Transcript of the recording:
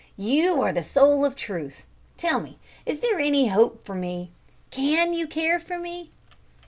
"You are the soul of truth; tell me, is there any hope for me? can you care for me?"